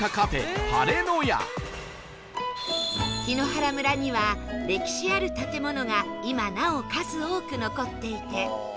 檜原村には歴史ある建物が今なお数多く残っていて